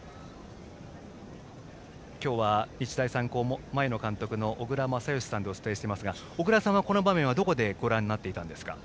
今日は日大三高前の監督の小倉全由さんでお伝えしていますが小倉さんはこの場面はどこでご覧になっていましたか？